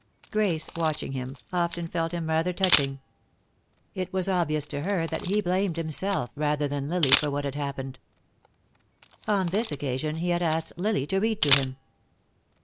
Grace, watching him, often felt him rather touching. It was obvious to her that he blamed himself, rather than Lily, for what had happened. On this occasion he had asked Lily to read to him.